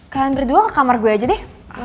kalian berdua ke kamar gue aja deh